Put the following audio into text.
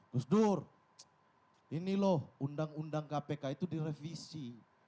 gus dur ini loh undang undang kpk itu direvisi